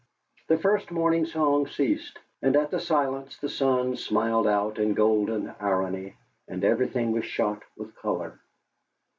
The first morning song ceased, and at the silence the sun smiled out in golden irony, and everything was shot with colour.